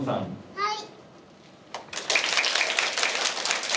はい！